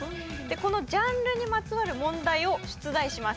このジャンルにまつわる問題を出題します